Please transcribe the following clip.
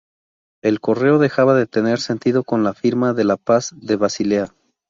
El Correo dejaba de tener sentido con la firma de la Paz de Basilea.